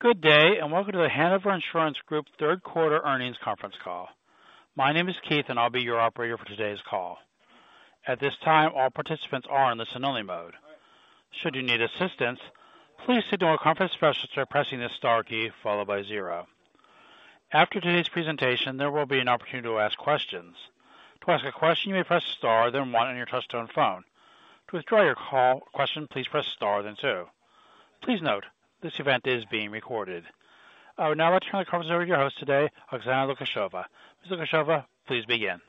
Good day, and welcome to The Hanover Insurance Group Third Quarter Earnings Conference Call. My name is Keith, and I'll be your operator for today's call. At this time, all participants are in listen-only mode. Should you need assistance, please signal a conference specialist by pressing the star key followed by zero. After today's presentation, there will be an opportunity to ask questions. To ask a question, you may press star then one on your touchtone phone. To withdraw your call question, please press star then two. Please note, this event is being recorded. I would now like to turn the conference over to your host today, Oksana Lukasheva. Ms. Lukasheva, please begin.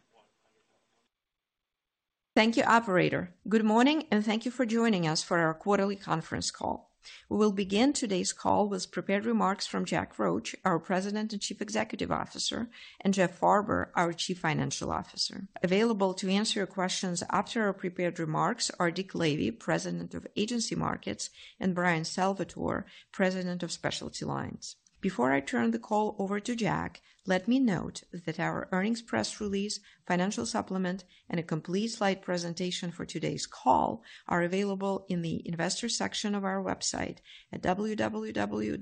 Thank you, operator. Good morning, and thank you for joining us for our quarterly conference call. We will begin today's call with prepared remarks from Jack Roche, our President and Chief Executive Officer, and Jeff Farber, our Chief Financial Officer. Available to answer your questions after our prepared remarks are Dick Lavey, President of Agency Markets, and Bryan Salvatore, President of Specialty Lines. Before I turn the call over to Jack, let me note that our earnings press release, financial supplement, and a complete slide presentation for today's call are available in the investor section of our website at www.hanover.com.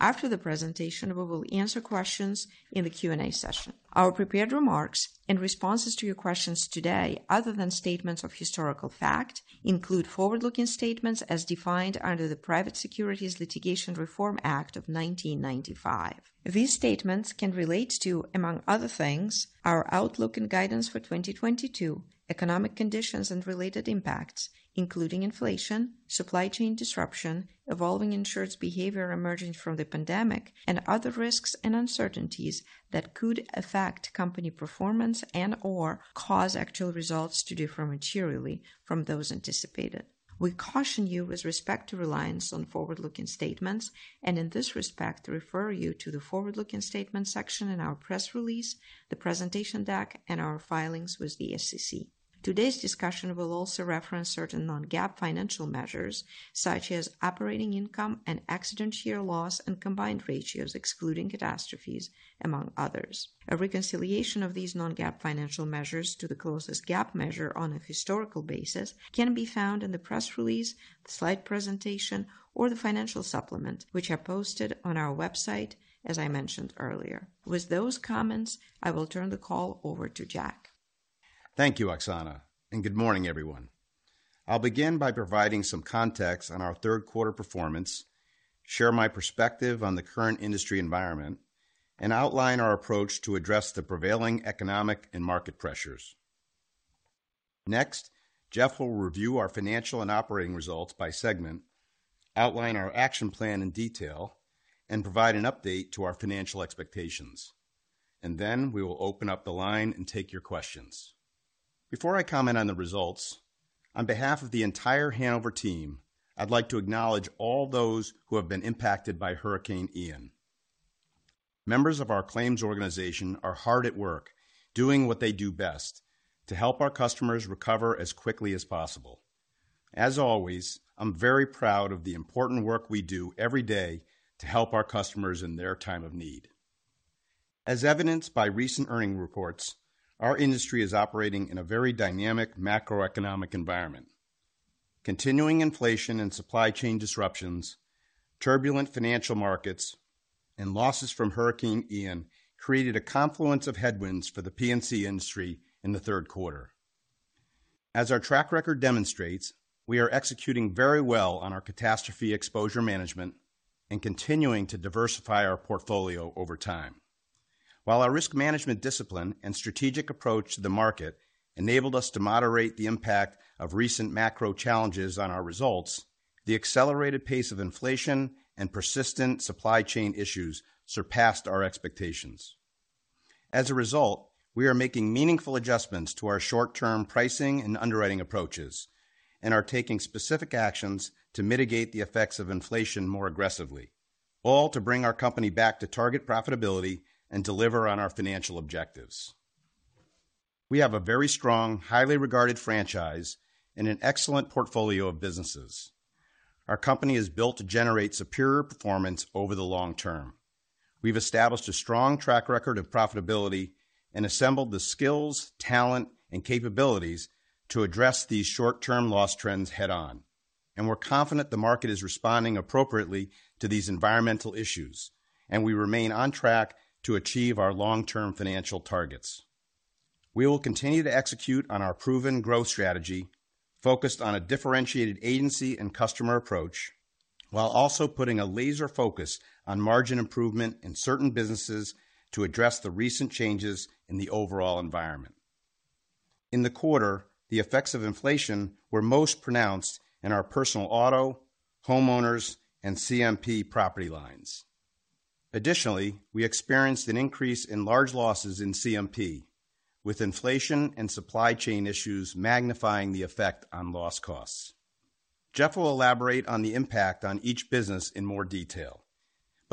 After the presentation, we will answer questions in the Q&A session. Our prepared remarks and responses to your questions today, other than statements of historical fact, include forward-looking statements as defined under the Private Securities Litigation Reform Act of 1995. These statements can relate to, among other things, our outlook and guidance for 2022, economic conditions and related impacts, including inflation, supply chain disruption, evolving insured's behavior emerging from the pandemic, and other risks and uncertainties that could affect company performance and/or cause actual results to differ materially from those anticipated. We caution you with respect to reliance on forward-looking statements and in this respect, refer you to the forward-looking statement section in our press release, the presentation deck, and our filings with the SEC. Today's discussion will also reference certain non-GAAP financial measures, such as operating income and accident year loss and combined ratios, excluding catastrophes, among others. A reconciliation of these non-GAAP financial measures to the closest GAAP measure on a historical basis can be found in the press release, the slide presentation or the financial supplement, which are posted on our website, as I mentioned earlier. With those comments, I will turn the call over to Jack. Thank you, Oksana, and good morning, everyone. I'll begin by providing some context on our third quarter performance, share my perspective on the current industry environment, and outline our approach to address the prevailing economic and market pressures. Next, Jeff will review our financial and operating results by segment, outline our action plan in detail, and provide an update to our financial expectations. Then we will open up the line and take your questions. Before I comment on the results, on behalf of the entire Hanover team, I'd like to acknowledge all those who have been impacted by Hurricane Ian. Members of our claims organization are hard at work doing what they do best to help our customers recover as quickly as possible. As always, I'm very proud of the important work we do every day to help our customers in their time of need. As evidenced by recent earnings reports, our industry is operating in a very dynamic macroeconomic environment. Continuing inflation and supply chain disruptions, turbulent financial markets, and losses from Hurricane Ian created a confluence of headwinds for the P&C industry in the third quarter. As our track record demonstrates, we are executing very well on our catastrophe exposure management and continuing to diversify our portfolio over time. While our risk management discipline and strategic approach to the market enabled us to moderate the impact of recent macro challenges on our results, the accelerated pace of inflation and persistent supply chain issues surpassed our expectations. As a result, we are making meaningful adjustments to our short-term pricing and underwriting approaches and are taking specific actions to mitigate the effects of inflation more aggressively, all to bring our company back to target profitability and deliver on our financial objectives. We have a very strong, highly regarded franchise and an excellent portfolio of businesses. Our company is built to generate superior performance over the long term. We've established a strong track record of profitability and assembled the skills, talent, and capabilities to address these short-term loss trends head on. We're confident the market is responding appropriately to these environmental issues, and we remain on track to achieve our long-term financial targets. We will continue to execute on our proven growth strategy focused on a differentiated agency and customer approach, while also putting a laser focus on margin improvement in certain businesses to address the recent changes in the overall environment. In the quarter, the effects of inflation were most pronounced in our Personal Auto, Homeowners, and CMP property lines. Additionally, we experienced an increase in large losses in CMP, with inflation and supply chain issues magnifying the effect on loss costs. Jeff will elaborate on the impact on each business in more detail.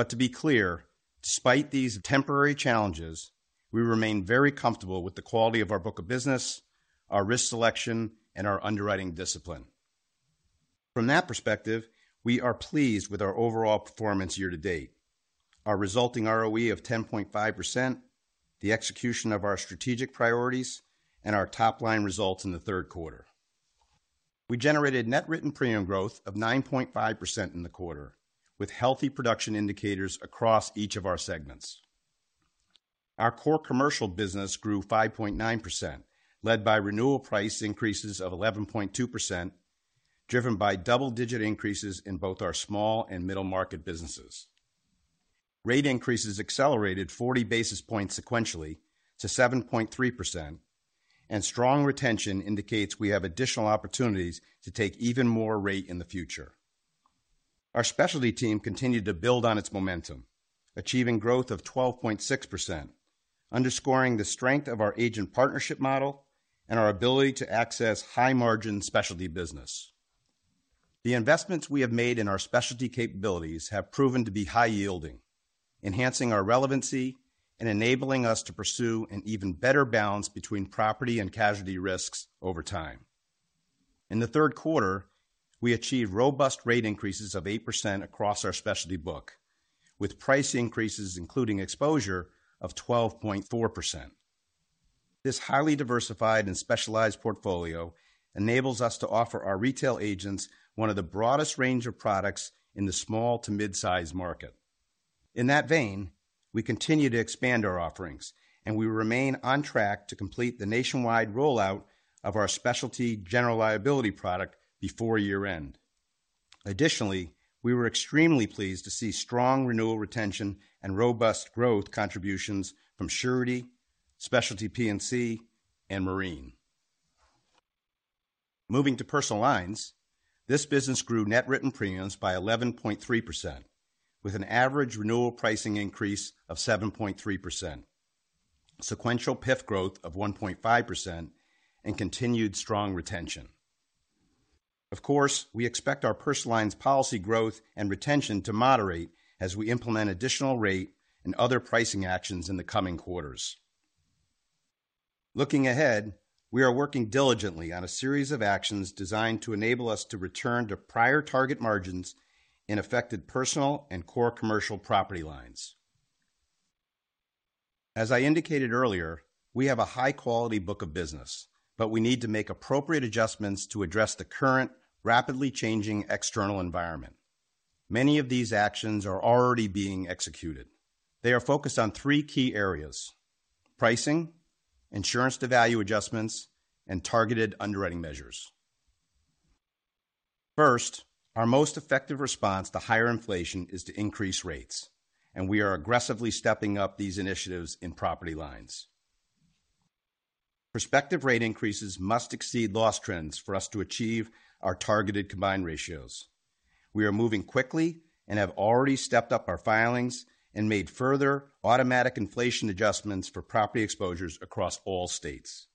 To be clear, despite these temporary challenges, we remain very comfortable with the quality of our book of business, our risk selection, and our underwriting discipline. From that perspective, we are pleased with our overall performance year to date. Our resulting ROE of 10.5%, the execution of our strategic priorities, and our top-line results in the third quarter. We generated net written premium growth of 9.5% in the quarter, with healthy production indicators across each of our segments. Our Core Commercial business grew 5.9%, led by renewal price increases of 11.2%, driven by double-digit increases in both our small and middle market businesses. Rate increases accelerated 40 basis points sequentially to 7.3%, and strong retention indicates we have additional opportunities to take even more rate in the future. Our specialty team continued to build on its momentum, achieving growth of 12.6%, underscoring the strength of our agent partnership model and our ability to access high-margin specialty business. The investments we have made in our specialty capabilities have proven to be high-yielding, enhancing our relevancy and enabling us to pursue an even better balance between property and casualty risks over time. In the third quarter, we achieved robust rate increases of 8% across our specialty book, with price increases including exposure of 12.4%. This highly diversified and specialized portfolio enables us to offer our retail agents one of the broadest range of products in the small to mid-size market. In that vein, we continue to expand our offerings and we remain on track to complete the nationwide rollout of our Specialty General Liability product before year-end. Additionally, we were extremely pleased to see strong renewal retention and robust growth contributions from Surety, Specialty P&C, and Marine. Moving to Personal Lines, this business grew net written premiums by 11.3%, with an average renewal pricing increase of 7.3%, sequential PIF growth of 1.5%, and continued strong retention. Of course, we expect our Personal Lines policy growth and retention to moderate as we implement additional rate and other pricing actions in the coming quarters. Looking ahead, we are working diligently on a series of actions designed to enable us to return to prior target margins in affected Personal and Core Commercial property lines. As I indicated earlier, we have a high-quality book of business, but we need to make appropriate adjustments to address the current, rapidly changing external environment. Many of these actions are already being executed. They are focused on three key areas, pricing, insurance-to-value adjustments, and targeted underwriting measures. First, our most effective response to higher inflation is to increase rates, and we are aggressively stepping up these initiatives in property lines. Prospective rate increases must exceed loss trends for us to achieve our targeted combined ratios. We are moving quickly and have already stepped up our filings and made further automatic inflation adjustments for property exposures across all states.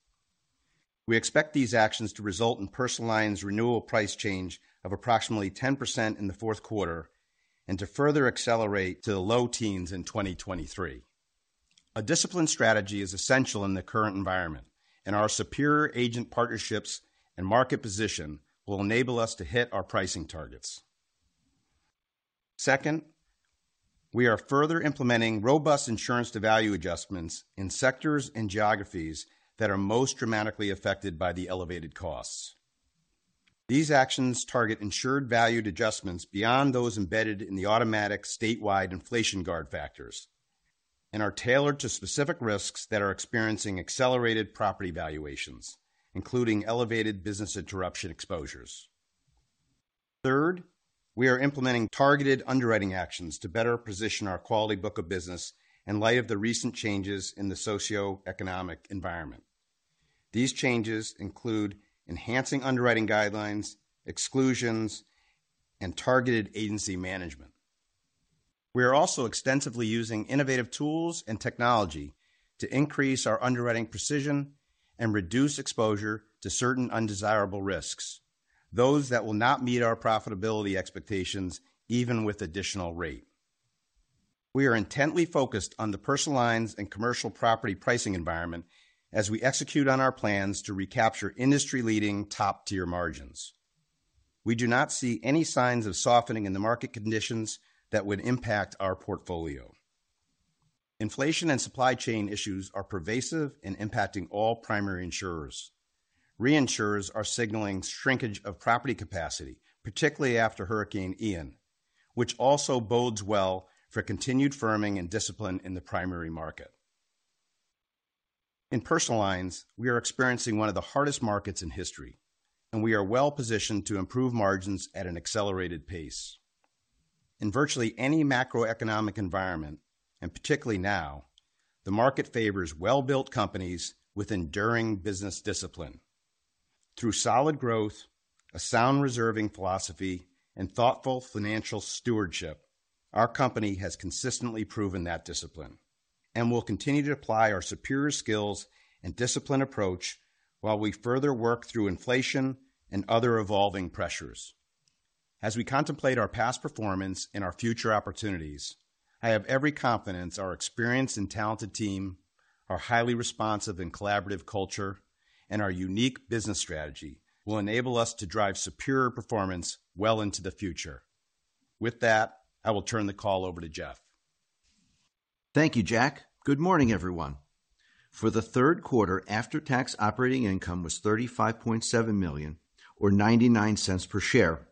We expect these actions to result in personal lines renewal price change of approximately 10% in the fourth quarter and to further accelerate to the low teens in 2023. A disciplined strategy is essential in the current environment, and our superior agent partnerships and market position will enable us to hit our pricing targets. Second, we are further implementing robust insurance-to-value adjustments in sectors and geographies that are most dramatically affected by the elevated costs. These actions target insured value adjustments beyond those embedded in the automatic statewide inflation guard factors and are tailored to specific risks that are experiencing accelerated property valuations, including elevated business interruption exposures. Third, we are implementing targeted underwriting actions to better position our quality book of business in light of the recent changes in the socioeconomic environment. These changes include enhancing underwriting guidelines, exclusions, and targeted agency management. We are also extensively using innovative tools and technology to increase our underwriting precision and reduce exposure to certain undesirable risks, those that will not meet our profitability expectations even with additional rate. We are intently focused on the personal lines and commercial property pricing environment as we execute on our plans to recapture industry-leading top-tier margins. We do not see any signs of softening in the market conditions that would impact our portfolio. Inflation and supply chain issues are pervasive in impacting all primary insurers. Reinsurers are signaling shrinkage of property capacity, particularly after Hurricane Ian, which also bodes well for continued firming and discipline in the primary market. In personal lines, we are experiencing one of the hardest markets in history, and we are well-positioned to improve margins at an accelerated pace. In virtually any macroeconomic environment, and particularly now, the market favors well-built companies with enduring business discipline. Through solid growth, a sound reserving philosophy, and thoughtful financial stewardship, our company has consistently proven that discipline and will continue to apply our superior skills and disciplined approach while we further work through inflation and other evolving pressures. As we contemplate our past performance and our future opportunities, I have every confidence our experienced and talented team, our highly responsive and collaborative culture, and our unique business strategy will enable us to drive superior performance well into the future. With that, I will turn the call over to Jeff. Thank you, Jack. Good morning, everyone. For the third quarter, after-tax operating income was $35.7 million or $0.99 per share.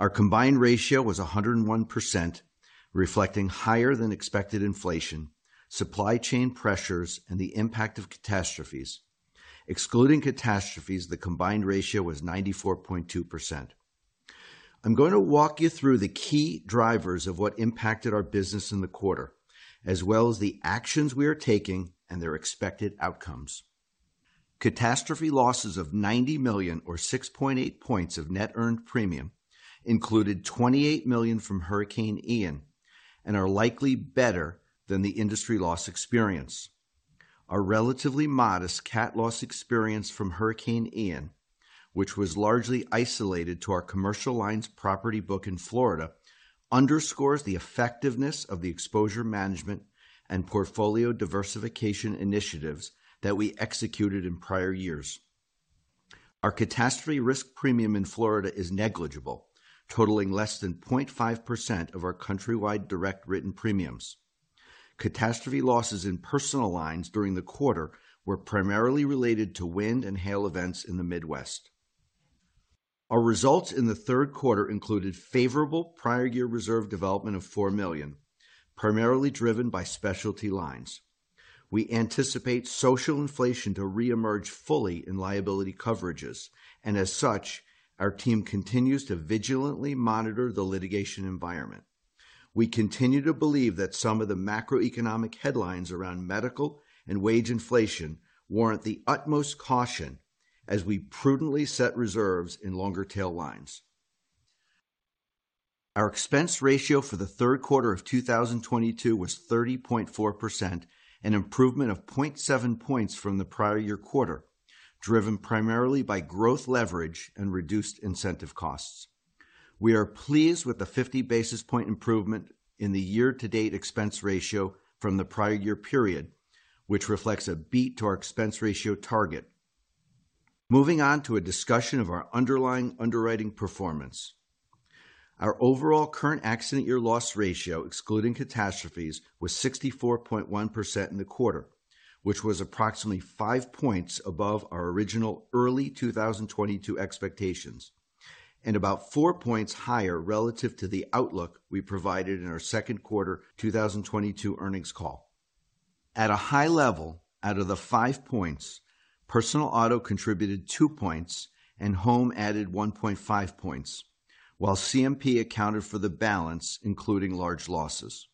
Our combined ratio was 101%, reflecting higher than expected inflation, supply chain pressures, and the impact of catastrophes. Excluding catastrophes, the combined ratio was 94.2%. I'm going to walk you through the key drivers of what impacted our business in the quarter, as well as the actions we are taking and their expected outcomes. Catastrophe losses of $90 million or 6.8 points of net earned premium included $28 million from Hurricane Ian and are likely better than the industry loss experience. Our relatively modest cat loss experience from Hurricane Ian, which was largely isolated to our commercial lines property book in Florida, underscores the effectiveness of the exposure management and portfolio diversification initiatives that we executed in prior years. Our catastrophe risk premium in Florida is negligible, totaling less than 0.5% of our countrywide direct written premiums. Catastrophe losses in personal lines during the quarter were primarily related to wind and hail events in the Midwest. Our results in the third quarter included favorable prior year reserve development of $4 million, primarily driven by specialty lines. We anticipate social inflation to reemerge fully in liability coverages, and as such, our team continues to vigilantly monitor the litigation environment. We continue to believe that some of the macroeconomic headlines around medical and wage inflation warrant the utmost caution as we prudently set reserves in longer tail lines. Our expense ratio for the third quarter of 2022 was 30.4%, an improvement of 0.7 points from the prior year quarter, driven primarily by growth leverage and reduced incentive costs. We are pleased with the 50 basis point improvement in the year-to-date expense ratio from the prior year period, which reflects a beat to our expense ratio target. Moving on to a discussion of our underlying underwriting performance. Our overall current accident year loss ratio, excluding catastrophes, was 64.1% in the quarter, which was approximately 5 points above our original early 2022 expectations and about 4 points higher relative to the outlook we provided in our second quarter 2022 earnings call. At a high level, out of the 5 points, Personal Auto contributed 2 points and Home added 1.5 points, while CMP accounted for the balance, including large losses.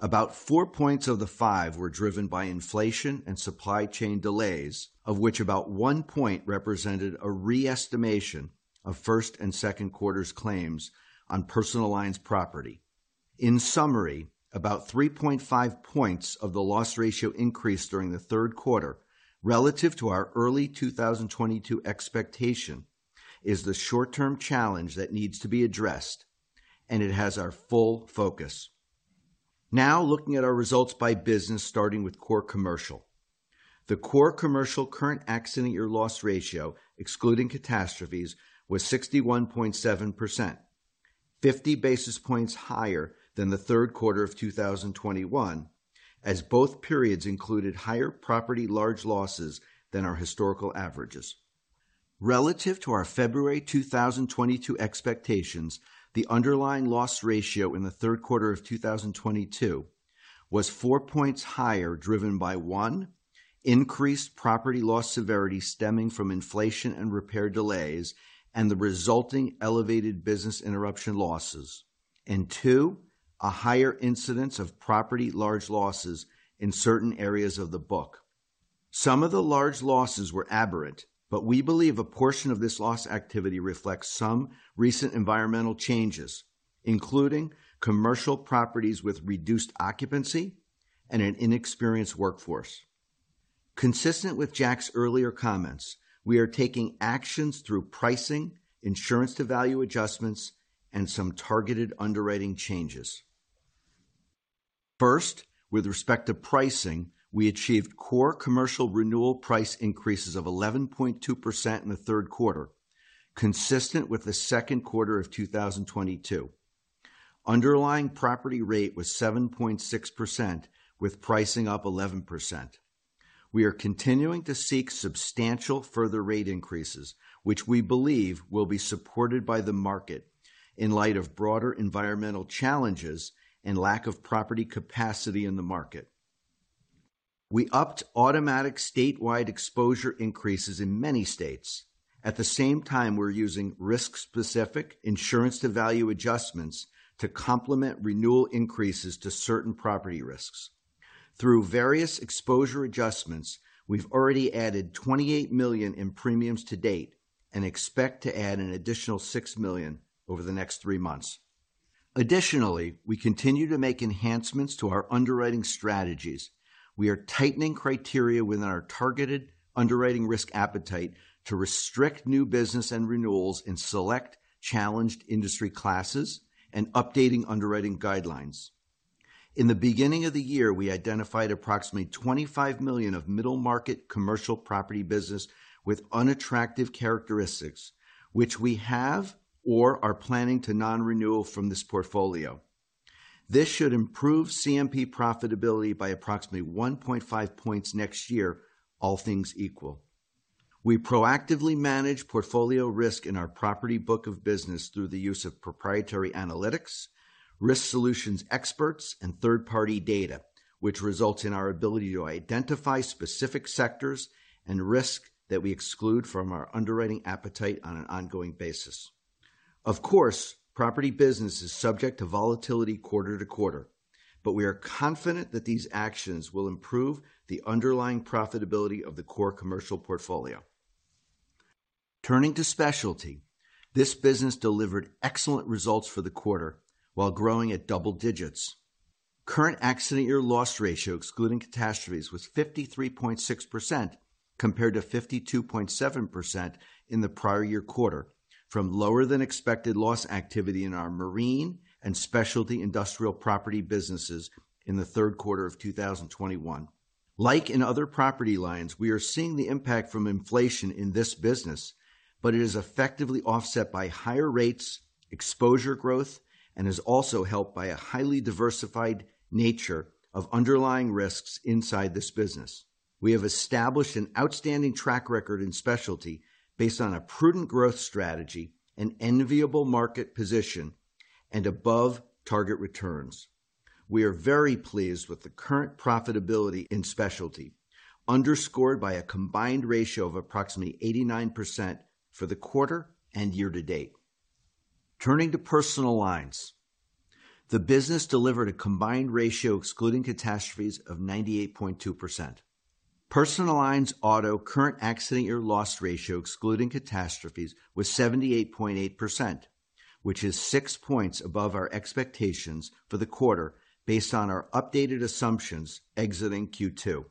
About 4 points of the 5 were driven by inflation and supply chain delays, of which about 1 point represented a re-estimation of first and second quarters claims on personal lines property. In summary, about 3.5 points of the loss ratio increase during the third quarter relative to our early 2022 expectation is the short-term challenge that needs to be addressed, and it has our full focus. Now looking at our results by business, starting with Core Commercial. The Core Commercial current accident year loss ratio, excluding catastrophes, was 61.7%, 50 basis points higher than the third quarter of 2021, as both periods included higher property large losses than our historical averages. Relative to our February 2022 expectations, the underlying loss ratio in the third quarter of 2022 was 4 points higher. Driven by one, increased property loss severity stemming from inflation and repair delays and the resulting elevated business interruption losses. And two, a higher incidence of property large losses in certain areas of the book. Some of the large losses were aberrant, but we believe a portion of this loss activity reflects some recent environmental changes, including commercial properties with reduced occupancy and an inexperienced workforce. Consistent with Jack's earlier comments, we are taking actions through pricing, insurance-to-value adjustments, and some targeted underwriting changes. First, with respect to pricing, we achieved Core Commercial renewal price increases of 11.2% in the third quarter, consistent with the second quarter of 2022. Underlying property rate was 7.6% with pricing up 11%. We are continuing to seek substantial further rate increases, which we believe will be supported by the market in light of broader environmental challenges and lack of property capacity in the market. We upped automatic statewide exposure increases in many states. At the same time, we're using risk-specific insurance-to-value adjustments to complement renewal increases to certain property risks. Through various exposure adjustments, we've already added $28 million in premiums to date and expect to add an additional $6 million over the next three months. Additionally, we continue to make enhancements to our underwriting strategies. We are tightening criteria within our targeted underwriting risk appetite to restrict new business and renewals in select challenged industry classes and updating underwriting guidelines. In the beginning of the year, we identified approximately $25 million of middle market commercial property business with unattractive characteristics, which we have or are planning to non-renew from this portfolio. This should improve CMP profitability by approximately 1.5 points next year, all things equal. We proactively manage portfolio risk in our property book of business through the use of proprietary analytics, risk solutions experts, and third-party data, which results in our ability to identify specific sectors and risk that we exclude from our underwriting appetite on an ongoing basis. Of course, property business is subject to volatility quarter to quarter, but we are confident that these actions will improve the underlying profitability of the core commercial portfolio. Turning to Specialty, this business delivered excellent results for the quarter while growing at double digits. Current accident year loss ratio excluding catastrophes was 53.6% compared to 52.7% in the prior year quarter from lower than expected loss activity in our Marine and specialty industrial property businesses in the third quarter of 2021. Like in other property lines, we are seeing the impact from inflation in this business, but it is effectively offset by higher rates, exposure growth, and is also helped by a highly diversified nature of underlying risks inside this business. We have established an outstanding track record in Specialty based on a prudent growth strategy, an enviable market position, and above target returns. We are very pleased with the current profitability in Specialty, underscored by a combined ratio of approximately 89% for the quarter and year to date. Turning to Personal Lines, the business delivered a combined ratio excluding catastrophes of 98.2%. Personal Lines Auto current accident year loss ratio excluding catastrophes was 78.8%, which is 6 points above our expectations for the quarter based on our updated assumptions exiting Q2.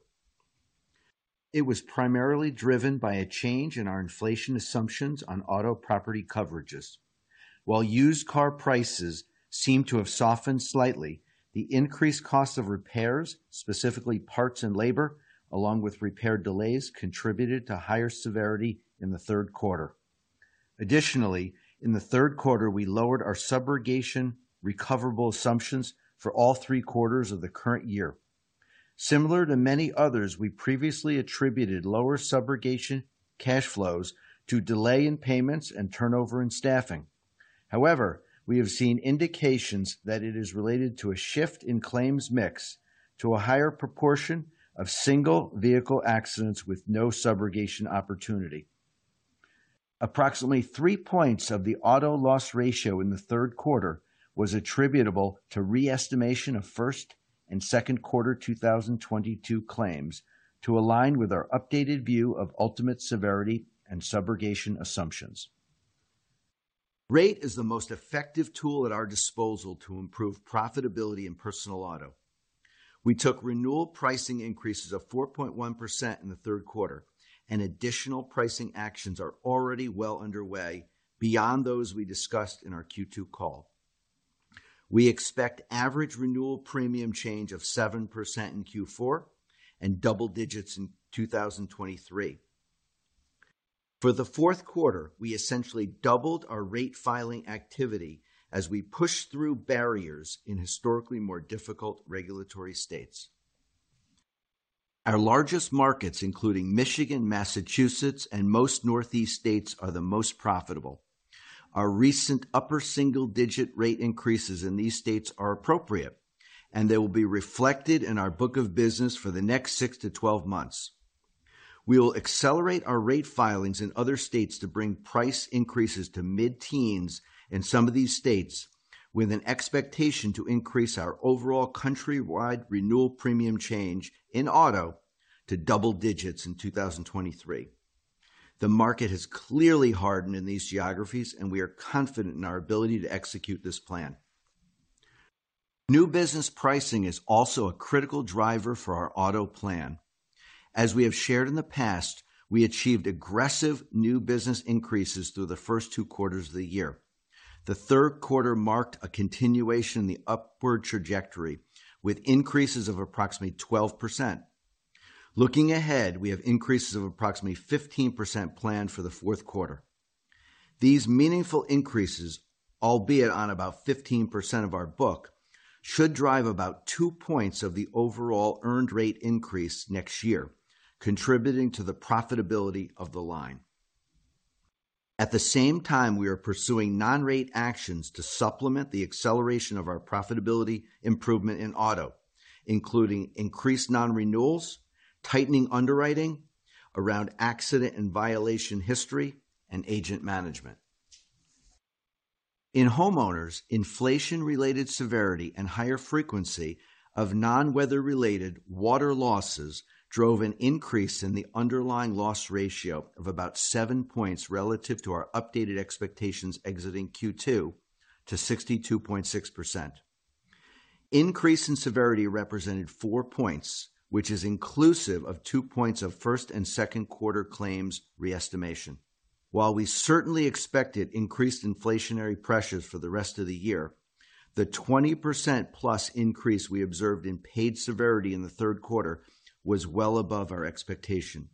It was primarily driven by a change in our inflation assumptions on Auto property coverages. While used car prices seem to have softened slightly, the increased cost of repairs, specifically parts and labor, along with repair delays contributed to higher severity in the third quarter. Additionally, in the third quarter, we lowered our subrogation recoverable assumptions for all three quarters of the current year. Similar to many others, we previously attributed lower subrogation cash flows to delay in payments and turnover in staffing. However, we have seen indications that it is related to a shift in claims mix to a higher proportion of single vehicle accidents with no subrogation opportunity. Approximately 3 points of the Auto loss ratio in the third quarter was attributable to re-estimation of first and second quarter 2022 claims to align with our updated view of ultimate severity and subrogation assumptions. Rate is the most effective tool at our disposal to improve profitability in Personal Auto. We took renewal pricing increases of 4.1% in the third quarter, and additional pricing actions are already well underway beyond those we discussed in our Q2 call. We expect average renewal premium change of 7% in Q4 and double digits in 2023. For the fourth quarter, we essentially doubled our rate filing activity as we push through barriers in historically more difficult regulatory states. Our largest markets, including Michigan, Massachusetts, and most Northeast states, are the most profitable. Our recent upper single-digit rate increases in these states are appropriate, and they will be reflected in our book of business for the next six to 12 months. We will accelerate our rate filings in other states to bring price increases to mid-teens in some of these states with an expectation to increase our overall countrywide renewal premium change in Auto to double digits in 2023. The market has clearly hardened in these geographies, and we are confident in our ability to execute this plan. New business pricing is also a critical driver for our Auto plan. As we have shared in the past, we achieved aggressive new business increases through the first two quarters of the year. The third quarter marked a continuation in the upward trajectory with increases of approximately 12%. Looking ahead, we have increases of approximately 15% planned for the fourth quarter. These meaningful increases, albeit on about 15% of our book, should drive about 2 points of the overall earned rate increase next year, contributing to the profitability of the line. At the same time, we are pursuing non-rate actions to supplement the acceleration of our profitability improvement in Auto, including increased non-renewals, tightening underwriting around accident and violation history, and agent management. In Homeowners, inflation-related severity and higher frequency of non-weather-related water losses drove an increase in the underlying loss ratio of about 7 points relative to our updated expectations exiting Q2 to 62.6%. Increase in severity represented 4 points, which is inclusive of 2 points of first and second quarter claims re-estimation. While we certainly expected increased inflationary pressures for the rest of the year, the 20%+ increase we observed in paid severity in the third quarter was well above our expectation.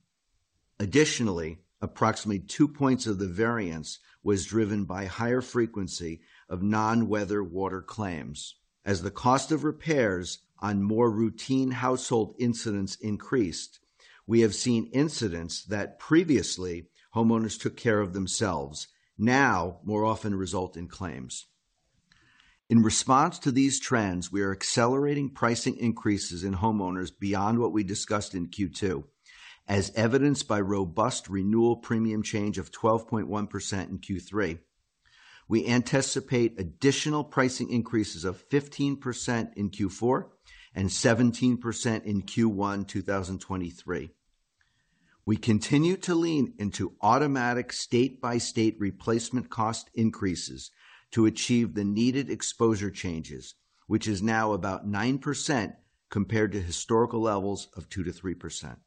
Additionally, approximately 2 points of the variance was driven by higher frequency of non-weather water claims. As the cost of repairs on more routine household incidents increased, we have seen incidents that previously homeowners took care of themselves now more often result in claims. In response to these trends, we are accelerating pricing increases in Homeowners beyond what we discussed in Q2, as evidenced by robust renewal premium change of 12.1% in Q3. We anticipate additional pricing increases of 15% in Q4 and 17% in Q1 2023. We continue to lean into automatic state-by-state replacement cost increases to achieve the needed exposure changes, which is now about 9% compared to historical levels of 2%-3%.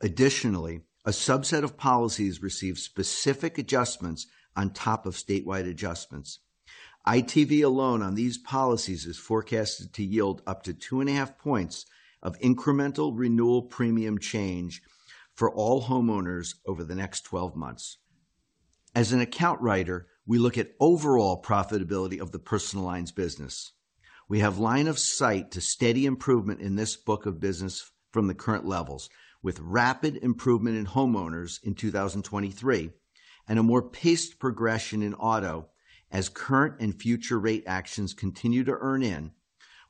Additionally, a subset of policies receive specific adjustments on top of statewide adjustments. ITV alone on these policies is forecasted to yield up to 2.5 points of incremental renewal premium change for all Homeowners over the next 12 months. As an account writer, we look at overall profitability of the Personal Lines business. We have line of sight to steady improvement in this book of business from the current levels, with rapid improvement in Homeowners in 2023 and a more paced progression in Auto as current and future rate actions continue to earn in,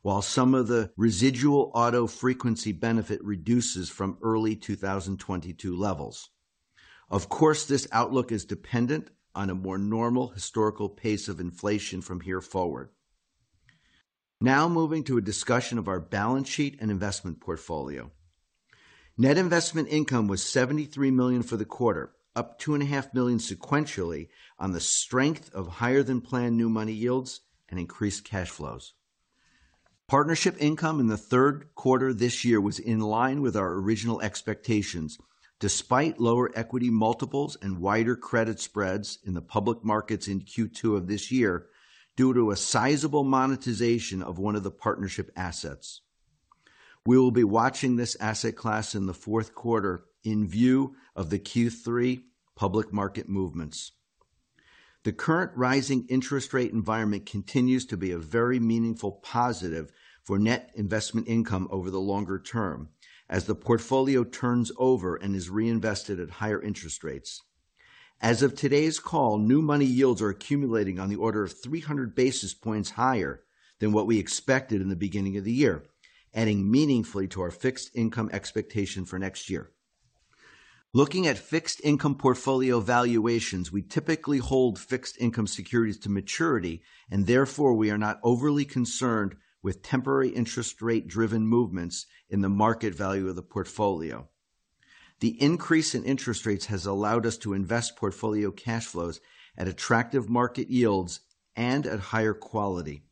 while some of the residual Auto frequency benefit reduces from early 2022 levels. Of course, this outlook is dependent on a more normal historical pace of inflation from here forward. Now moving to a discussion of our balance sheet and investment portfolio. Net investment income was $73 million for the quarter, up $2.5 million sequentially on the strength of higher than planned new money yields and increased cash flows. Partnership income in the third quarter this year was in line with our original expectations, despite lower equity multiples and wider credit spreads in the public markets in Q2 of this year, due to a sizable monetization of one of the partnership assets. We will be watching this asset class in the fourth quarter in view of the Q3 public market movements. The current rising interest rate environment continues to be a very meaningful positive for net investment income over the longer term as the portfolio turns over and is reinvested at higher interest rates. As of today's call, new money yields are accumulating on the order of 300 basis points higher than what we expected in the beginning of the year, adding meaningfully to our fixed income expectation for next year. Looking at fixed income portfolio valuations, we typically hold fixed income securities to maturity and therefore we are not overly concerned with temporary interest rate-driven movements in the market value of the portfolio. The increase in interest rates has allowed us to invest portfolio cash flows at attractive market yields and at higher quality.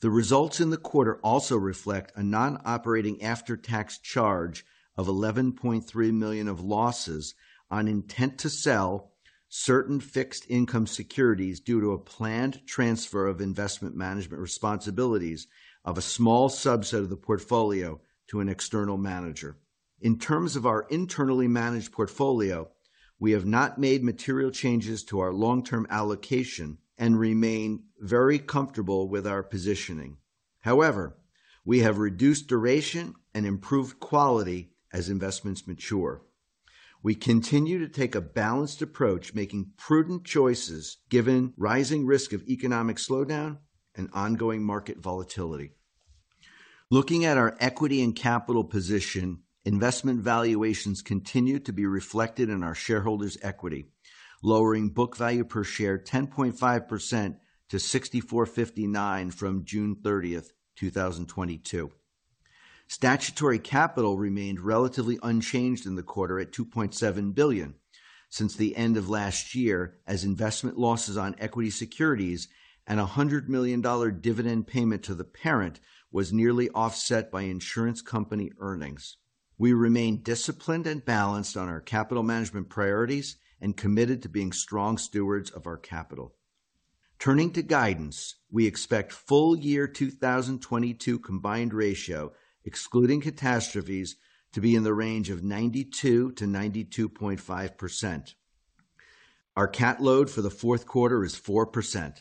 The results in the quarter also reflect a non-operating after-tax charge of $11.3 million of losses on intent to sell certain fixed income securities due to a planned transfer of investment management responsibilities of a small subset of the portfolio to an external manager. In terms of our internally managed portfolio, we have not made material changes to our long-term allocation and remain very comfortable with our positioning. However, we have reduced duration and improved quality as investments mature. We continue to take a balanced approach, making prudent choices given rising risk of economic slowdown and ongoing market volatility. Looking at our equity and capital position, investment valuations continue to be reflected in our shareholders' equity, lowering book value per share 10.5% to $64.59 from June 30, 2022. Statutory capital remained relatively unchanged in the quarter at $2.7 billion since the end of last year as investment losses on equity securities and a $100 million dollar dividend payment to the parent was nearly offset by insurance company earnings. We remain disciplined and balanced on our capital management priorities and committed to being strong stewards of our capital. Turning to guidance, we expect full year 2022 combined ratio, excluding catastrophes, to be in the range of 92%-92.5%. Our cat load for the fourth quarter is 4%.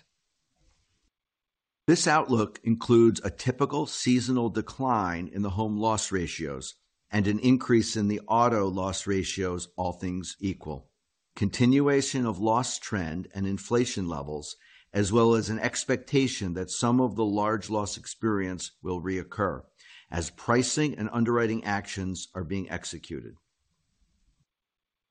This outlook includes a typical seasonal decline in the Home loss ratios and an increase in the Auto loss ratios, all things equal. Continuation of loss trend and inflation levels, as well as an expectation that some of the large loss experience will reoccur as pricing and underwriting actions are being executed.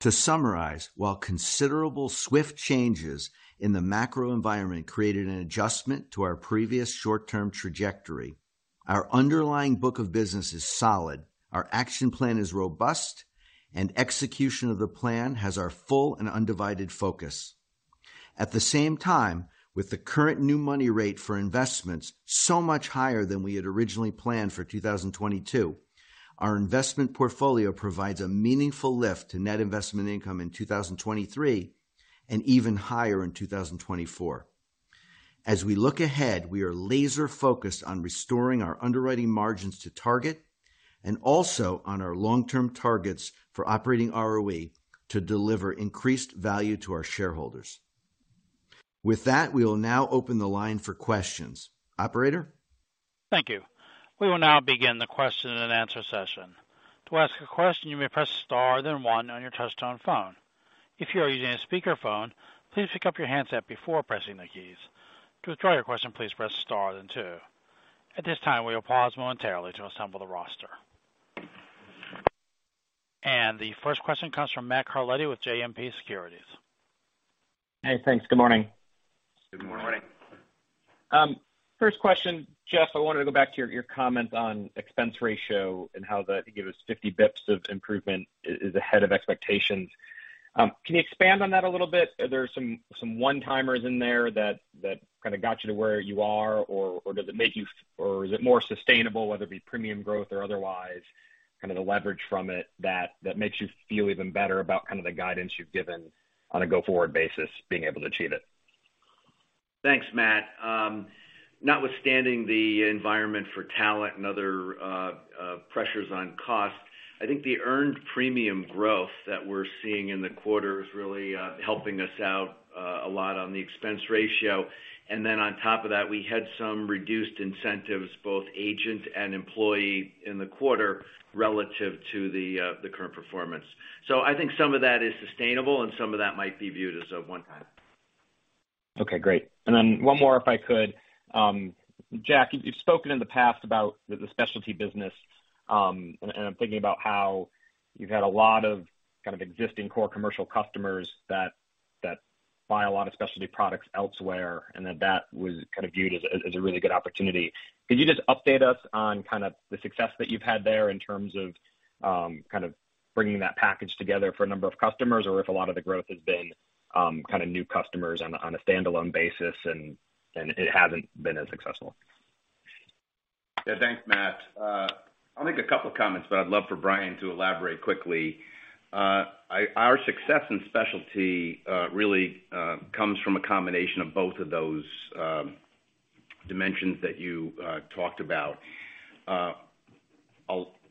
To summarize, while considerable swift changes in the macro environment created an adjustment to our previous short-term trajectory, our underlying book of business is solid, our action plan is robust, and execution of the plan has our full and undivided focus. At the same time, with the current new money rate for investments so much higher than we had originally planned for 2022, our investment portfolio provides a meaningful lift to net investment income in 2023 and even higher in 2024. As we look ahead, we are laser-focused on restoring our underwriting margins to target and also on our long-term targets for Operating ROE to deliver increased value to our shareholders. With that, we will now open the line for questions. Operator? Thank you. We will now begin the question and answer session. To ask a question, you may press star then one on your touchtone phone. If you are using a speakerphone, please pick up your handset before pressing the keys. To withdraw your question, please press star then two. At this time, we will pause momentarily to assemble the roster. The first question comes from Matt Carletti with JMP Securities. Hey, thanks. Good morning. Good morning. First question. Jeff, I wanted to go back to your comment on expense ratio and how that gave us 50 basis points of improvement ahead of expectations. Can you expand on that a little bit? Are there some one-timers in there that kind of got you to where you are? Or does it make you or is it more sustainable, whether it be premium growth or otherwise, kind of the leverage from it that makes you feel even better about kind of the guidance you've given on a go-forward basis, being able to achieve it? Thanks, Matt. Notwithstanding the environment for talent and other pressures on cost, I think the earned premium growth that we're seeing in the quarter is really helping us out a lot on the expense ratio. Then on top of that, we had some reduced incentives, both agent and employee in the quarter relative to the current performance. I think some of that is sustainable and some of that might be viewed as a one-time. Okay, great. One more, if I could. Jack, you've spoken in the past about the specialty business, and I'm thinking about how you've had a lot of kind of existing Core Commercial customers that buy a lot of specialty products elsewhere, and that was kind of viewed as a really good opportunity. Could you just update us on kind of the success that you've had there in terms of kind of bringing that package together for a number of customers, or if a lot of the growth has been kind of new customers on a standalone basis and it hasn't been as successful? Yeah. Thanks, Matt. I'll make a couple comments, but I'd love for Bryan to elaborate quickly. Our success in Specialty really comes from a combination of both of those dimensions that you talked about.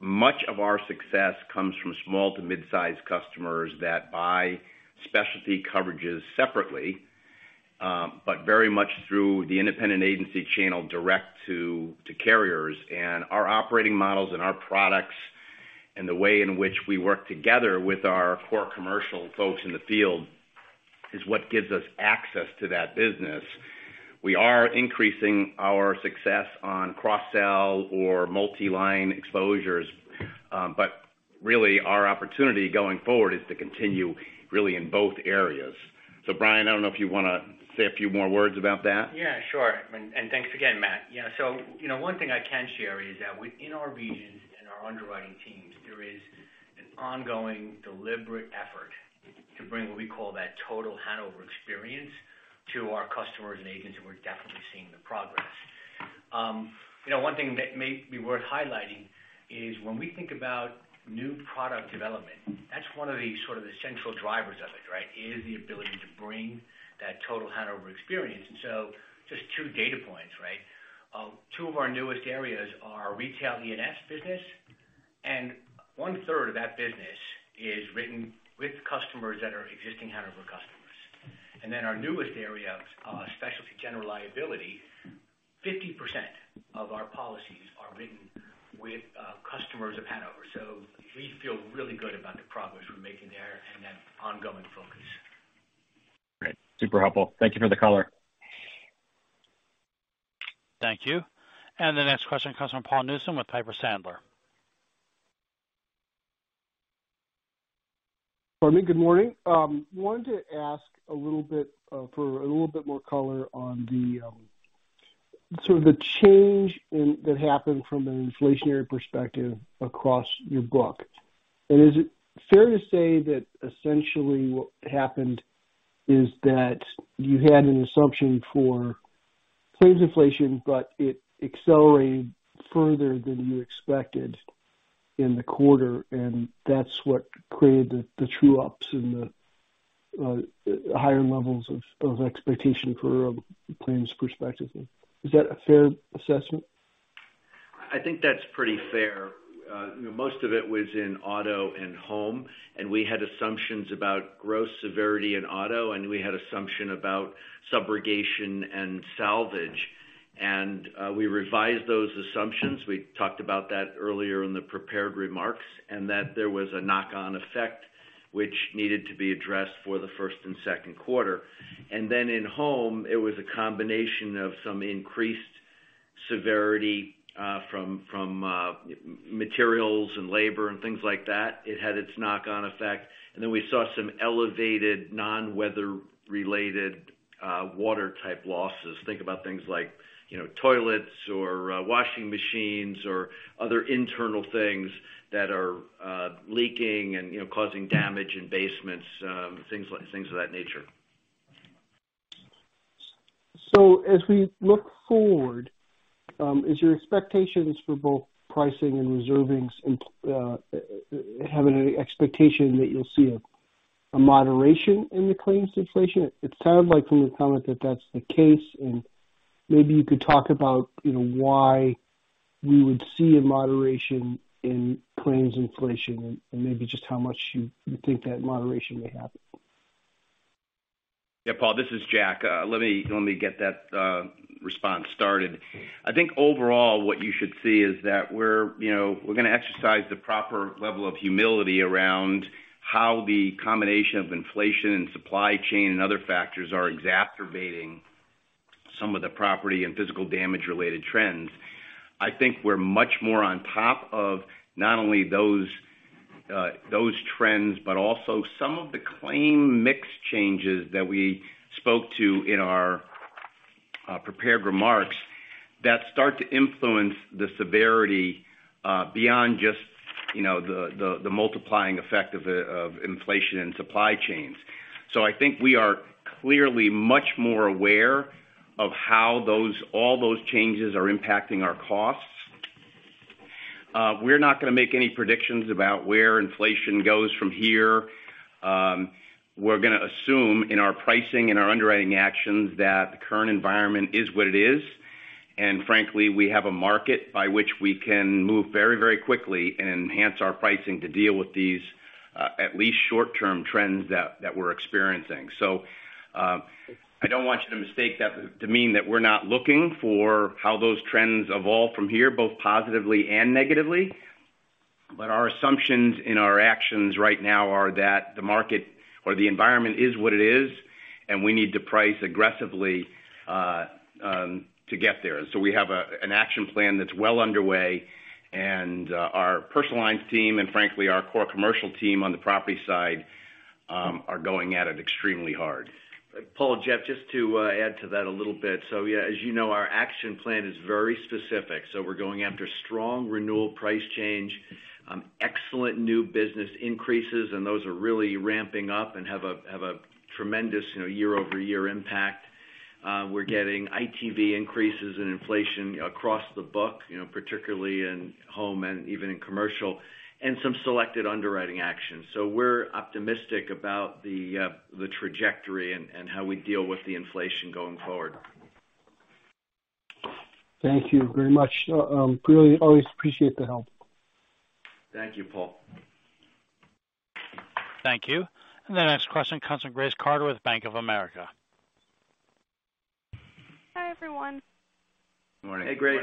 Much of our success comes from small to mid-sized customers that buy Specialty coverages separately, but very much through the independent agency channel direct to carriers. Our operating models and our products and the way in which we work together with our Core Commercial folks in the field is what gives us access to that business. We are increasing our success on cross-sell or multi-line exposures, but really our opportunity going forward is to continue really in both areas. Bryan, I don't know if you wanna say a few more words about that. Yeah, sure. Thanks again, Matt. Yeah. You know, one thing I can share is that within our regions and our underwriting teams, there is an ongoing deliberate effort to bring what we call that total Hanover experience to our customers and agents, and we're definitely seeing the progress. You know, one thing that may be worth highlighting is when we think about new product development, that's one of the sort of essential drivers of it, right? Is the ability to bring that total Hanover experience. Just 2 data points, right? Two of our newest areas are retail E&S business, and 1/3 of that business is written with customers that are existing Hanover customers. And then our newest area, Specialty General Liability, 50% of our policies are written with customers of Hanover. We feel really good about the progress we're making there and that ongoing focus. Great. Super helpful. Thank you for the color. Thank you. The next question comes from Paul Newsome with Piper Sandler. Pardon me. Good morning. Wanted to ask a little bit for a little bit more color on the sort of the change that happened from an inflationary perspective across your book. Is it fair to say that essentially what happened is that you had an assumption for claims inflation, but it accelerated further than you expected in the quarter, and that's what created the true ups and the higher levels of expectation for a claims perspective? Is that a fair assessment? I think that's pretty fair. You know, most of it was in Auto and Home, and we had assumptions about gross severity in Auto, and we had assumption about subrogation and salvage. We revised those assumptions. We talked about that earlier in the prepared remarks, and that there was a knock-on effect which needed to be addressed for the first and second quarter. In Home, it was a combination of some increased severity from materials and labor and things like that. It had its knock-on effect. We saw some elevated non-weather related water type losses. Think about things like you know, toilets or washing machines or other internal things that are leaking and you know, causing damage in basements, things of that nature. As we look forward, is your expectations for both pricing and reserving having any expectation that you'll see a moderation in the claims inflation? It sounds like from your comment that that's the case, and maybe you could talk about, you know, why we would see a moderation in claims inflation and maybe just how much you think that moderation may happen. Yeah, Paul, this is Jack. Let me get that response started. I think overall, what you should see is that we're, you know, we're gonna exercise the proper level of humility around how the combination of inflation and supply chain and other factors are exacerbating some of the property and physical damage related trends. I think we're much more on top of not only those trends, but also some of the claim mix changes that we spoke to in our prepared remarks that start to influence the severity beyond just, you know, the multiplying effect of inflation and supply chains. I think we are clearly much more aware of how all those changes are impacting our costs. We're not gonna make any predictions about where inflation goes from here. We're gonna assume in our pricing and our underwriting actions that the current environment is what it is. Frankly, we have a market by which we can move very, very quickly and enhance our pricing to deal with these, at least short-term trends that we're experiencing. I don't want you to mistake that to mean that we're not looking for how those trends evolve from here, both positively and negatively. Our assumptions in our actions right now are that the market or the environment is what it is, and we need to price aggressively, to get there. We have an action plan that's well underway. Our Personal Lines team, and frankly, our Core Commercial team on the property side, are going at it extremely hard. Paul, Jeff, just to add to that a little bit. As you know, our action plan is very specific. We're going after strong renewal price change, excellent new business increases, and those are really ramping up and have a tremendous, you know, year-over-year impact. We're getting ITV increases in inflation across the book, you know, particularly in Home and even in Commercial, and some selected underwriting actions. We're optimistic about the trajectory and how we deal with the inflation going forward. Thank you very much. We always appreciate the help. Thank you, Paul. Thank you. The next question comes from Grace Carter with Bank of America. Hi, everyone. Good morning. Hey, Grace.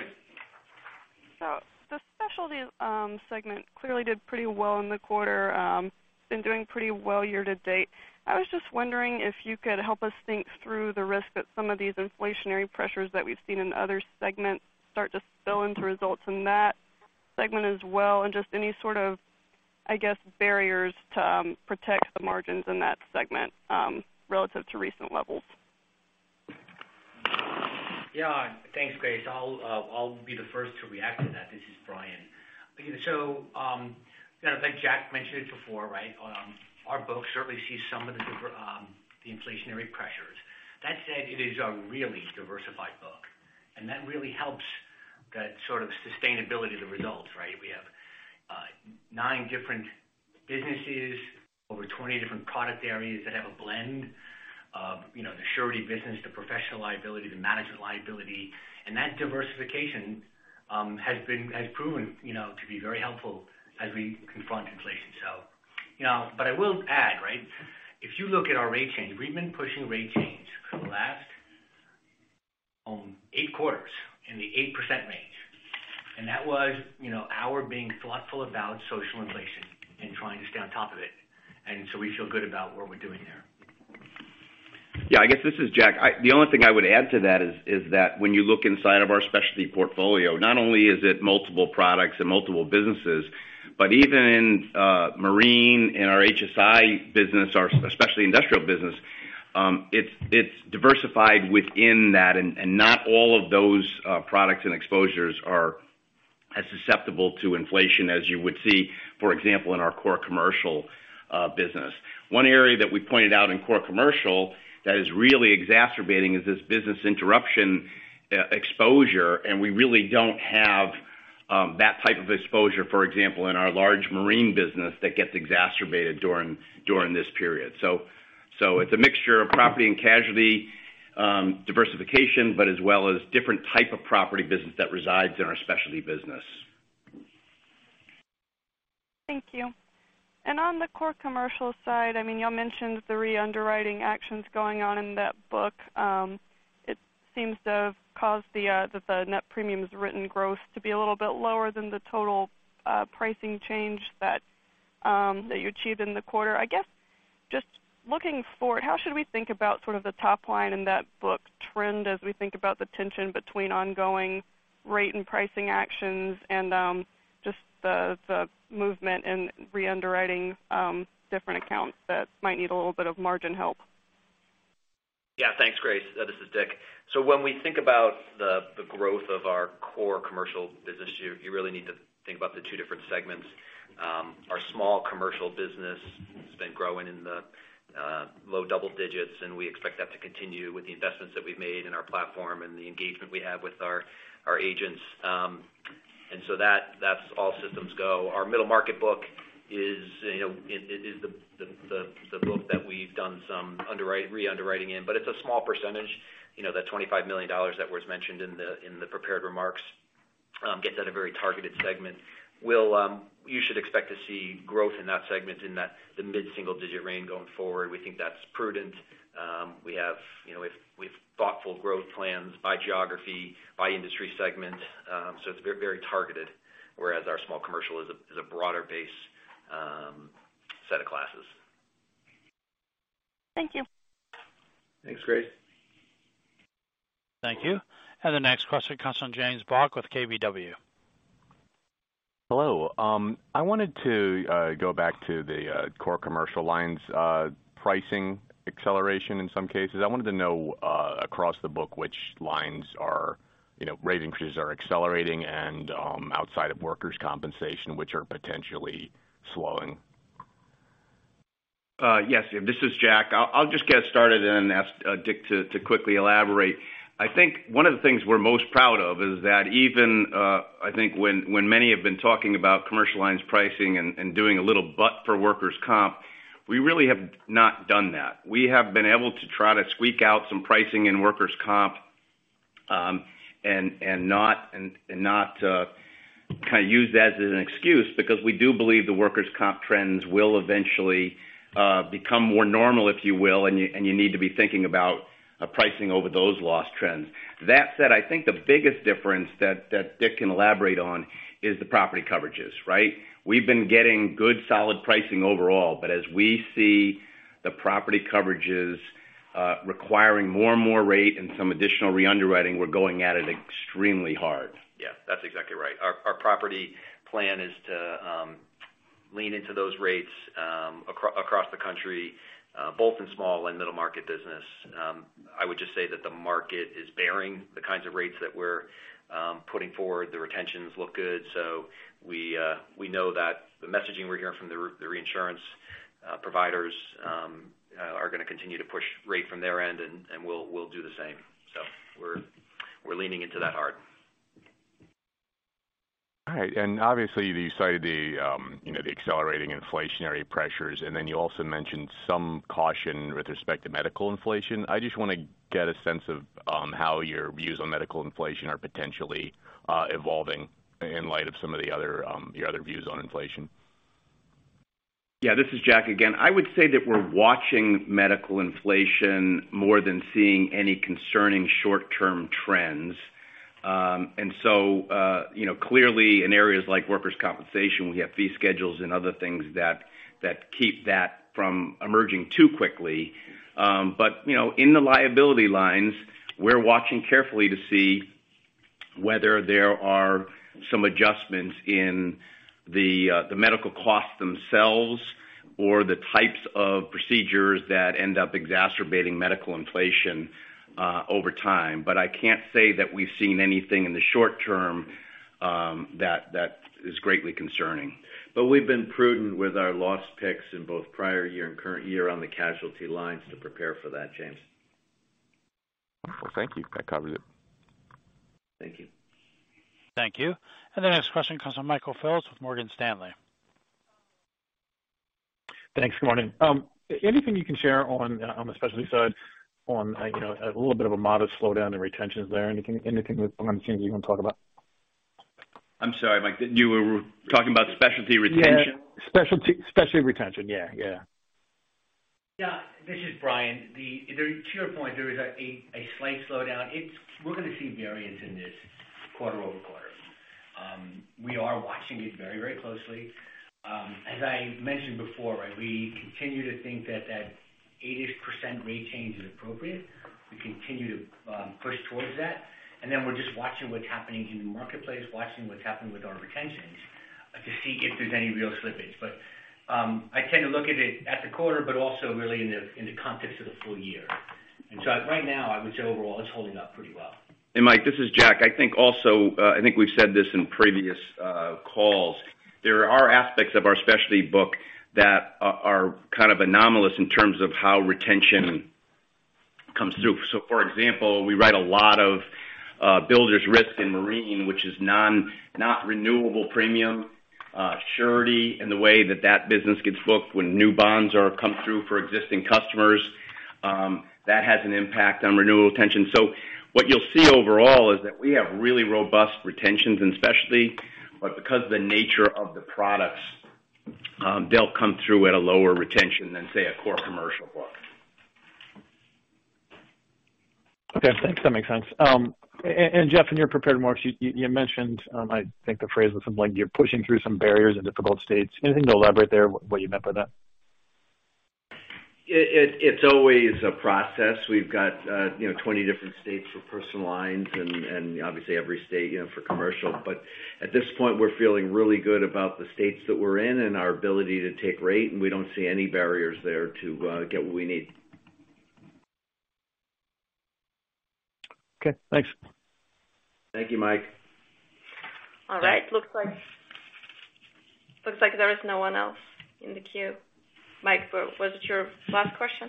The Specialty segment clearly did pretty well in the quarter, been doing pretty well year to date. I was just wondering if you could help us think through the risk that some of these inflationary pressures that we've seen in other segments start to spill into results in that segment as well, and just any sort of, I guess, barriers to protect the margins in that segment, relative to recent levels. Yeah. Thanks, Grace. I'll be the first to react to that. This is Bryan. You know, like Jack mentioned it before, right? Our books certainly see some of the different the inflationary pressures. That said, it is a really diversified book, and that really helps that sort of sustainability of the results, right? We have nine different businesses, over 20 different product areas that have a blend of, you know, the Surety business to Professional Liability to Management Liability. That diversification has proven, you know, to be very helpful as we confront inflation. You know, I will add, right? If you look at our rate change, we've been pushing rate change for the last eight quarters in the 8% range. That was, you know, our being thoughtful about social inflation and trying to stay on top of it. We feel good about what we're doing there. Yeah, I guess this is Jack. The only thing I would add to that is that when you look inside of our Specialty portfolio, not only is it multiple products and multiple businesses, but even in Marine, in our HSI business, our Specialty Industrial business, it's diversified within that, and not all of those products and exposures are as susceptible to inflation as you would see, for example, in our Core Commercial business. One area that we pointed out in Core Commercial that is really exacerbating is this business interruption exposure, and we really don't have that type of exposure, for example, in our large Marine business that gets exacerbated during this period. It's a mixture of property and casualty diversification, but as well as different type of property business that resides in our Specialty business. Thank you. On the Core Commercial side, I mean, you all mentioned the re-underwriting actions going on in that book. It seems to have caused the net premiums written growth to be a little bit lower than the total pricing change that you achieved in the quarter. I guess just looking forward, how should we think about sort of the top line in that book trend as we think about the tension between ongoing rate and pricing actions and just the movement in re-underwriting different accounts that might need a little bit of margin help? Yeah. Thanks, Grace. This is Dick. When we think about the growth of our Core Commercial business, you really need to think about the two different segments. Our small commercial business has been growing in the low double digits, and we expect that to continue with the investments that we've made in our platform and the engagement we have with our agents. That's all systems go. Our middle market book is the book that we've done some re-underwriting in, but it's a small percentage, you know, that $25 million that was mentioned in the prepared remarks. It gets at a very targeted segment. You should expect to see growth in that segment in the mid-single digit range going forward. We think that's prudent. We have, you know, with thoughtful growth plans by geography, by industry segment. It's very targeted, whereas our small commercial is a broader base set of classes. Thank you. Thanks, Grace. Thank you. The next question comes from [James Bach] with KBW. Hello. I wanted to go back to the Core Commercial lines pricing acceleration in some cases. I wanted to know across the book which lines are, you know, rate increases are accelerating and outside of Workers' Compensation, which are potentially slowing. Yes. This is Jack. I'll just get started and then ask Dick to quickly elaborate. I think one of the things we're most proud of is that even I think when many have been talking about commercial lines pricing and doing a little but for workers' comp, we really have not done that. We have been able to try to squeak out some pricing in workers' comp, and not kind of use that as an excuse because we do believe the workers' comp trends will eventually become more normal, if you will, and you need to be thinking about pricing over those loss trends. That said, I think the biggest difference that Dick can elaborate on is the property coverages, right? We've been getting good, solid pricing overall, but as we see the property coverages requiring more and more rate and some additional re-underwriting, we're going at it extremely hard. Yeah, that's exactly right. Our property plan is to lean into those rates across the country both in small and middle market business. I would just say that the market is bearing the kinds of rates that we're putting forward. The retentions look good. We know that the messaging we're hearing from the reinsurance providers are gonna continue to push rate from their end, and we'll do the same. We're leaning into that hard. All right. Obviously you cited the, you know, the accelerating inflationary pressures, and then you also mentioned some caution with respect to medical inflation. I just wanna get a sense of how your views on medical inflation are potentially evolving in light of some of the other, your other views on inflation. Yeah, this is Jack again. I would say that we're watching medical inflation more than seeing any concerning short-term trends. You know, clearly in areas like workers' compensation, we have fee schedules and other things that keep that from emerging too quickly. You know, in the liability lines, we're watching carefully to see whether there are some adjustments in the medical costs themselves or the types of procedures that end up exacerbating medical inflation over time. I can't say that we've seen anything in the short term that is greatly concerning. We've been prudent with our loss picks in both prior year and current year on the casualty lines to prepare for that, James. Well, thank you. That covers it. Thank you. Thank you. The next question comes from Michael Phillips with Morgan Stanley. Thanks. Good morning. Anything you can share on the Specialty side, you know, a little bit of a modest slowdown in retentions there? Anything on changes you want to talk about? I'm sorry, Mike, you were talking about Specialty retention? Yeah. Specialty retention. Yeah, yeah. Yeah. This is Bryan. To your point, there is a slight slowdown. We're gonna see variance in this quarter-over-quarter. We are watching it very, very closely. As I mentioned before, right, we continue to think that 80% rate change is appropriate. We continue to push towards that. We're just watching what's happening in the marketplace, watching what's happening with our retentions to see if there's any real slippage. I tend to look at it at the quarter, but also really in the context of the full year. Right now, I would say overall it's holding up pretty well. Mike, this is Jack. I think also, I think we've said this in previous calls, there are aspects of our Specialty book that are kind of anomalous in terms of how retention comes through. For example, we write a lot of Builders Risk in marine, which is not renewable premium, Surety in the way that that business gets booked when new bonds come through for existing customers. That has an impact on renewal retention. What you'll see overall is that we have really robust retentions in Specialty, but because of the nature of the products, they'll come through at a lower retention than, say, a Core Commercial book. Okay, thanks. That makes sense. Jeff, in your prepared remarks, you mentioned, I think the phrase was something like you're pushing through some barriers in difficult states. Anything to elaborate there what you meant by that? It's always a process. We've got, you know, 20 different states for Personal Lines and obviously every state, you know, for Commercial. At this point, we're feeling really good about the states that we're in and our ability to take rate, and we don't see any barriers there to get what we need. Okay, thanks. Thank you, Mike. All right. Looks like there is no one else in the queue. Mike, was it your last question?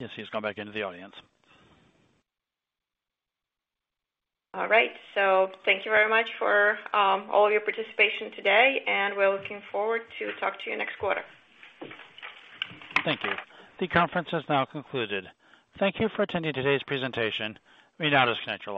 Yes, he's gone back into the audience. All right. Thank you very much for all of your participation today, and we're looking forward to talk to you next quarter. Thank you. The conference has now concluded. Thank you for attending today's presentation. Please note centralized recordings of today's presentation will be available in a few days.